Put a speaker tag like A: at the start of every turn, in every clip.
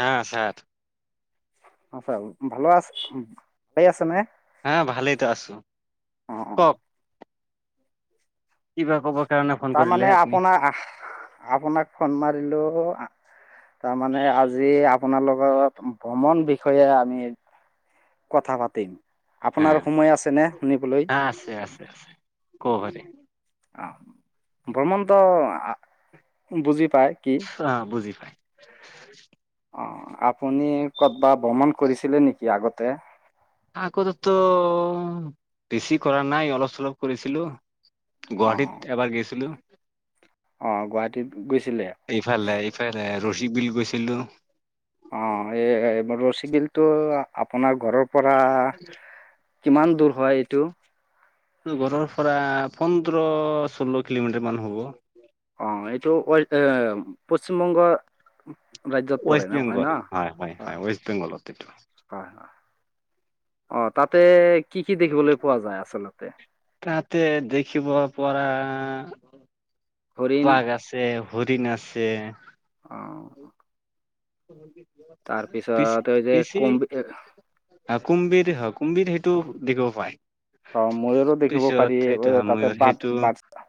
A: হা ছাৰ।
B: আ চ ভালো আছ ভালেই আছে নে?
A: হা ভালেইতো আছো,
B: অঁ অঁ
A: কওঁক। কিবা কব
B: তাৰমানে আপোনাৰ আহ আপোনাক ফোন মাৰিলো। তাৰমানে আজি আপোনালোকৰ ভ্ৰমণ বিষয়ে আমি। কথা পাতিম।
A: হা
B: আপোনাৰ সমোয় আছে নে শুনিবলৈ।
A: হা আছে আছে আছে ক'ব পাৰি
B: আহ ভ্ৰমণটো বুজি পায় কি
A: অ', বুজি পায়।
B: অ', আপুনি কৰবা ভ্ৰমণ কৰিছিলে নেকি আগতে।
A: আকৌ ততো বেছি কৰা নাই অলপ চলপ কৰিছিলো
B: অঁ
A: গুৱাহাটীত এবাৰ গৈছিলো।
B: অ', গুৱাহাটীত গৈছিলে
A: ইফালে ইফালে ৰশিক বিল গৈছিলো।
B: অ', এ ৰছী বিল টো আপোনাৰ ঘৰৰ পৰা কিমান দূৰ হয় এইটো?
A: ঘৰৰ পৰা পোন্ধৰ ষোল্ল কিলোমিটাৰ মান হ'ব।
B: অ, এইটো [unintelligible] পশ্চিমবংগৰ ৰাজ্যত পৰে
A: ৱেষ্ট
B: না, হয়
A: বেংগল
B: না? হয়,
A: ৱেষ্ট বেংগলত এইটো
B: হয়, হয়। অ, তাতে কি কি দেখিবলৈ পোৱা যায় আচলতে
A: তাতে দেখিব পৰা আহ
B: হৰিণ
A: বাঘ আছে, হৰিণ আছে
B: অ'
A: অ'হয় নেকি।
B: তাৰপিছত এই যে কুম্ভী
A: কুম্ভীৰ হ কুম্ভীৰ সেইটো দেখিব পায়।
B: অ' ময়ুৰো দেখিব
A: পিছত
B: পাৰি
A: সেইটো হয়
B: তাতে
A: ময়ুৰ
B: বাঘ
A: সেইটো
B: বাচটা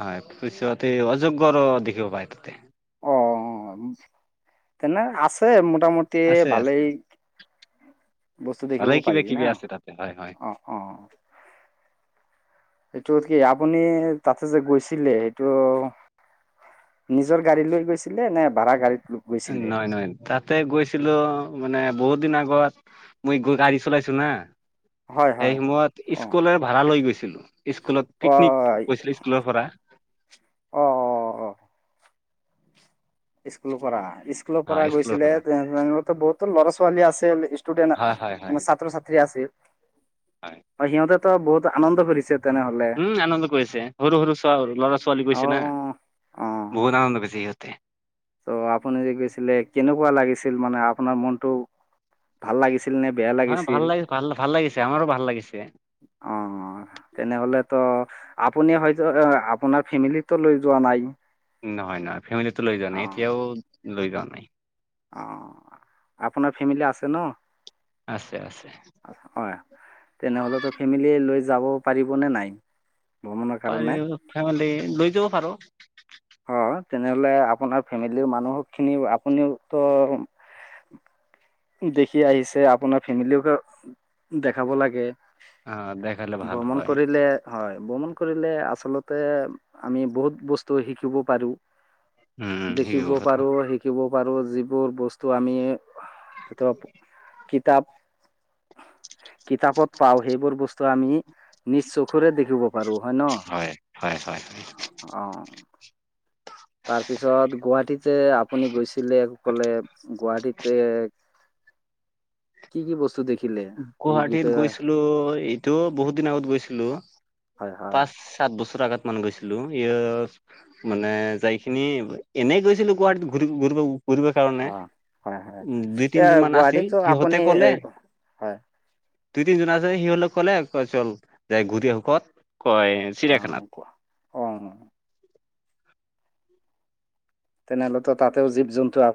A: হয়। পিছতে অজগৰ দেখিব পায় তাতে
B: অ' অ' তেনে আছে মোটামুটি
A: আছে
B: ভালেই
A: আছে
B: বস্তু দেখিব
A: ভালে কিবা
B: পাৰি
A: কিবি
B: না
A: আছে তাতে হয় হয়
B: অ' অ' টো কি আপুনি তাতে যে গৈছিলে সেইটো নিজৰ গাড়ী লৈ গৈছিলে নে ভাড়া গাড়ীত গৈছিলে
A: নহয়, নহয় তাতে গৈছিলোঁ মানে বহুত দিন আগত মই গৈ গাড়ী চলাইছোঁ না।
B: হয়
A: সেই
B: হয়
A: সময়ত
B: অ
A: স্কুলৰে ভাড়া লৈ গৈছিলোঁ। স্কুলত পিকনিক
B: অ
A: গৈছিলে স্কুলৰ পৰা
B: অ অ অ স্কুলৰ পৰা। স্কুলৰ পৰা
A: হয় স্কুলৰ
B: গৈছিলে,
A: পৰা
B: তেনেহ'ল বহুতো ল'ৰা ছোৱালী আছে ষ্টুডেণ্ট
A: হয় হয় হয়
B: মানে ছাত্ৰ ছাত্ৰী আছিল।
A: হয়
B: অ' সিহঁতে তোৰ বহুত আনন্দ কৰিছে। তেনেহলে
A: উম, আনন্দ কৰিছে সৰু সৰু ছো ল'ৰা ছোৱালী
B: অ
A: গৈছে না বহুত আনন্দ কৰিছে সিহঁতে তে
B: তোৰ আপুনি যে গৈছিলে কেনেকুৱা লাগিছিল মানে আপোনাৰ মনতটো ভাল লাগিছিল। নে বেয়া
A: হয়, ভাল
B: লাগিছিল
A: লাগিছে, ভাল ভাল লাগিছে, আমাৰো ভাল লাগিছে।
B: অ তেনেহলে তো আপুনি হয়তো আপোনাৰ ফেমিলিতো লৈ যোৱা নাই।
A: নহয় নহয় ফেমিলিটো লৈ যোৱা
B: অ
A: নাই এতিয়াও লৈ যোৱা নাই।
B: অ আপোনাৰ ফেমিলি আছে ন?
A: আছে আছে।
B: হয় তেনেহ'লেতো ফেমিলী লৈ যাব পাৰিবনে নাই? ভ্ৰমণৰ কাৰণে
A: পাৰি ফেমেলি লৈ যাব পাৰো।
B: অ তেনেহলে আপোনাৰ ফেমিলিৰ মানুহখিনি আপুনিওতো দেখি আহিছে আপোনাৰ ফেমিলিটো দেখাব লাগে।
A: অ দেখালে ভাল
B: ভ্ৰমণ
A: হয়
B: কৰিলে হয়। ভ্ৰমণ কৰিলে আচলতে আমি বহুত বস্তু শিকিব পাৰোঁ।
A: উম শিকিব
B: দেখিব পাৰো শিকিব পাৰো। যিবোৰ বস্তু আমি [unintelligible] কিতাপ কিতাপত পাওঁ সেইবোৰ বস্তু আমি নিজ চকুৰে দেখিব পাৰো হয় ন?
A: হয় হয়
B: তাৰপিছত গুৱাহাটীত যে আপুনি গৈছিলে কলে গুৱাহাটীত কি কি বস্তু দেখ
A: গুৱাহাটীত গৈছিলো এইটো বহুত দিন আগত গৈছিলো।
B: হয়।
A: পাঁচ সাত বছৰ আগত মান গৈছিলো ই মানে যাই খিনি এনেই গৈছিলো গুৱাহাটীত ঘূৰিব। [unintelligible] কাৰণে,
B: অ হয় হয়
A: উম দুই
B: এতিয়া
A: তিনজন মান আছিল
B: গুৱাহাটীতো
A: সিহঁতে
B: আপুনি এ
A: কলে
B: হয়।
A: দুই তিনিজন আছে সি হলে কলে চল যাই ঘূৰি আহোঁ
B: অ কোৱা অ তেনেহ'লেতো তাতেও জীৱ-জন্তু আ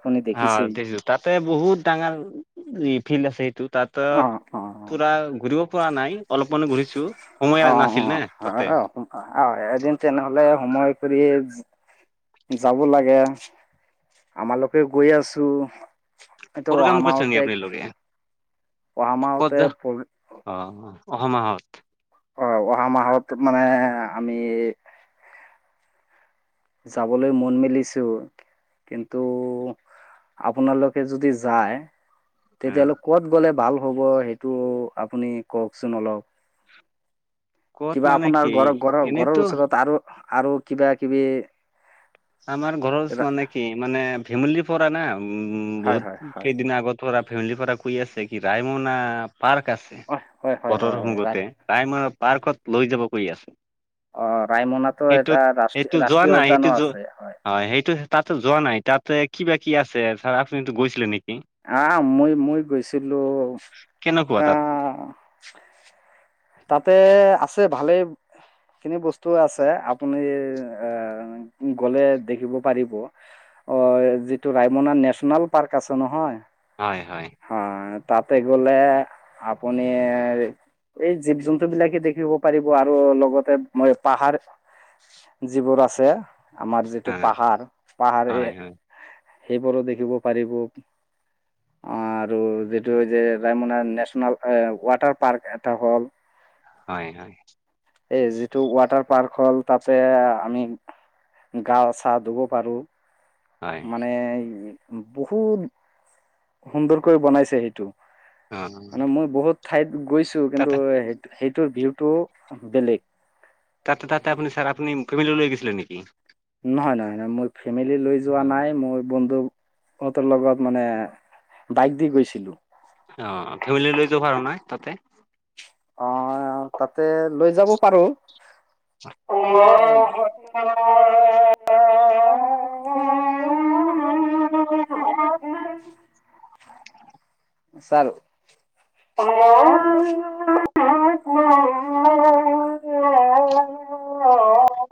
A: অ' দেছো। তাতে বহুত ডাঙৰ ফিল্ড আছে সেইটোত।
B: অ
A: তাতত
B: অ
A: পুৰা ঘূৰিব পৰা নাই, অলপমানো ঘূৰিছোঁ।
B: অ' - অ', হয় এদিন তেনেহলে সময় কৰি যাব লাগে। আমালোকেও গৈ আছোঁ। এইটো
A: প্ৰগ্ৰাম
B: অহা
A: কৰিছে নি
B: মাহতে
A: আপোনালোকে
B: অহা
A: ক'ত
B: মাহতে
A: যা
B: প্ৰ
A: অ অহা মাহত
B: অ' অহা মাহত মানে আমি যাবলৈ মন মেলিছো। কিন্তু আপোনালোকে যদি যায়
A: উম,
B: তেতিয়াহ'লে ক'ত গ'লে ভাল হ'ব সেইটো আপুনি কওঁকচোন অলপ।
A: ক'ত
B: কিবা
A: মানে কি
B: আপোনাৰ ঘৰৰ- ঘৰৰ- ঘৰৰ
A: এনেইতো
B: ওচৰত আৰু - আৰু কিবাকিবি
A: আমাৰ ঘৰৰত মানে কি মানে ফেমিলি পৰা না উ
B: হয় হয়
A: বহুত
B: হয়
A: কেইদিন আগত পৰা ফেমিলিৰ পৰা কৈ আছে কি ৰায়মনা পাৰ্ক আছে।
B: অ হয় হয়
A: বতৰ
B: হয় হয় ৰা
A: সন্মুখতে। তাই মানে পাৰ্কত লৈ যাব কৈ আছে।
B: অ ৰায়মনাতো এটা
A: সেইটোত-
B: ৰাষ্ট্ৰীয়
A: সেইটো যোৱা
B: ৰাষ্ট্ৰীয়
A: নাই
B: উদ্যানো
A: সেইটো যো
B: আছে
A: হয়, সেইটো সে- তাতে যোৱা নাই। তাতে কিবা কি আছে, ছাৰ আপুনিতো গৈছিলে নে
B: আ- মই - মই গৈছিলো
A: কেনেকুৱা
B: আ
A: তাত
B: তাতে আছে ভালে খিনি বস্তু আছে। আপুনি এ গ'লে দেখিব পাৰিব। অ যিটো ৰায়মনা নেচনেল পাৰ্ক আছে ন
A: হয় - হয়।
B: তাতে গ'লে আপুনি এই জীৱ জন্তু বিলাকে দেখিব পাৰিব আৰু লগতে মই পাহাৰ যিবোৰ আছে আমাৰ যিটো
A: হয়
B: পাহাৰ পাহাৰে
A: হয় হয়
B: সেইবোৰো দেখিব পাৰিব। [inaudible] আৰু যিটো যে ৰায়মনা নেশচনল এ ৱাটাৰ পাৰ্ক এটা হ'ল
A: হয় হয়।
B: এই যিটো ৱাটাৰ পাৰ্ক হ'ল, তাতে আমি গা চা ধুব পাৰো।
A: হয়
B: মানে বহুত সুন্দৰকৈ বনাইছে সেইটো।
A: অ
B: মানে মই বহুত ঠাইত গৈছোঁ,
A: তাতে
B: কিন্তু সেইটো সে টোৰ ভিউটো বেলেগ।
A: তাতে- তাতে আপুনি ছাৰ আপুনি ফেমিলি লৈ গৈছিলে নেকি?
B: নহয় নহয় নহয় মোৰ ফেমিলি লৈ যোৱা
A: অ
B: নাই মোৰ বন্ধু অ' তৰ লগত মানে বাইক দি গৈছিলোঁ।
A: অ' ফেমিলি লৈ যাবৰ নাই তাতে?
B: অঁ তাতে লৈ যাব পাৰো
A: [unintelligible] [inaudible]
B: চাৰ
A: [unintelligible]
B: ছাৰ
A: অ'।